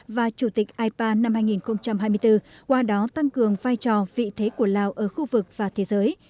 và chủ tịch ipa năm hai nghìn hai mươi bốn qua đó tăng cường vai trò vị thế của lào ở khu vực và thế giới